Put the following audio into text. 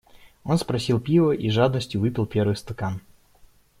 Он спросил пива и с жадностию выпил первый стакан.